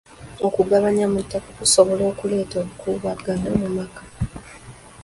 Okugabanya mu ttaka kusobola okuleeta obukuubagano mu maka.